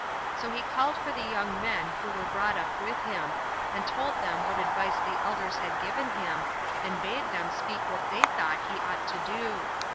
So he called for the young men who were brought up with him, and told them what advice the elders had given him, and bade them speak what they thought he ought to do.